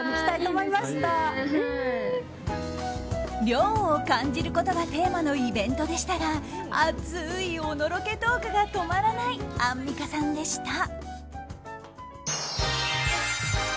涼を感じることがテーマのイベントでしたが熱いおのろけトークが止まらないアンミカさんでした。